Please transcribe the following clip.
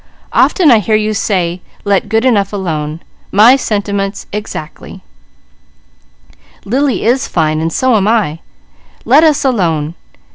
"Often I hear you say 'let good enough alone.' My sentiments exact. Lily is fine, and so am I. Let us alone!